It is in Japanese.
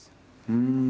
うん。